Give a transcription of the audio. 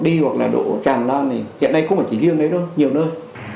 đi hoặc là đỗ tràn lan thì hiện nay không phải chỉ riêng đấy đâu nhiều nơi